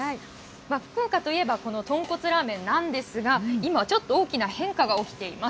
福岡といえば、この豚骨ラーメンなんですが、今、ちょっと大きな変化が起きています。